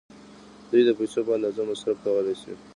دوی د پیسو په اندازه مصرف کولای شي.